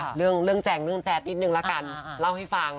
เรื่องเรื่องแจงเรื่องแจ๊ดนิดนึงละกันเล่าให้ฟัง